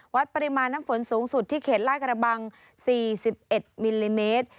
วัดปริมาณน้ำฝนสูงสุดที่เขตลาดกระบัง๔๑มิลลิเมตร